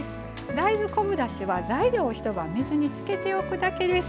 大豆昆布だしは材料を一晩水につけておくだけです。